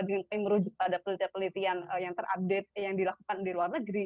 yang merujuk pada pelitian pelitian yang terupdate yang dilakukan di luar negeri